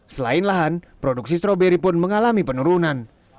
selain lahan produksi stroberi pun mengalami penurunan